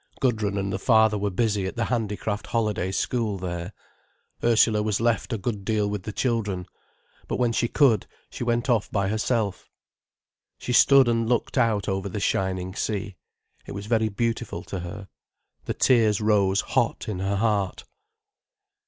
Gudrun and the father were busy at the handicraft holiday school there, Ursula was left a good deal with the children. But when she could, she went off by herself. She stood and looked out over the shining sea. It was very beautiful to her. The tears rose hot in her heart.